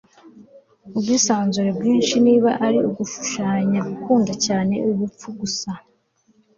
Ubwisanzure bwinshi niba ari ugushushanya gukunda cyane ubupfu gusa